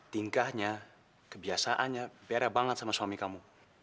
tingkahnya kebiasaannya beda banget sama suami kamu